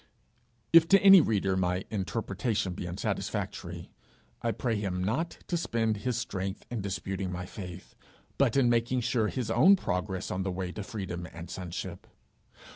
If to any reader my interpretation be unsatisfactory, I pray him not to spend his strength in disputing my faith, but in making sure his own progress on the way to freedom and sonship.